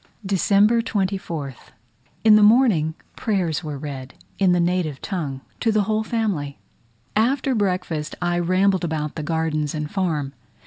December 24th. In the morning, prayers were read in the native tongue to the whole family. After breakfast I rambled about the gardens and farm.